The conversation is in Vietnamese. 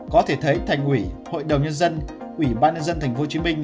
có thể thấy thành ủy hội đồng nhân dân ủy ban nhân dân tp hcm